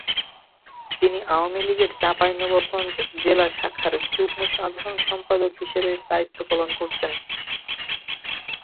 তিনি আওয়ামী লীগের চাঁপাইনবাবগঞ্জ জেলা শাখার যুগ্ম সাধারণ সম্পাদক হিসেবে দায়িত্ব পালন করছেন।